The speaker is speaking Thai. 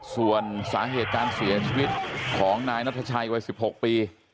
ส่วนสาเหตุการเสียชีวิตของนายนัทชัยวัย๑๖ปี